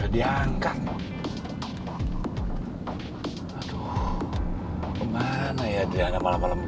dan siapa salah yang quelqurle an yang benar benar benar benar melihatnya di dalam dalam juga di dalam gitu